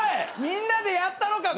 みんなでやったろか！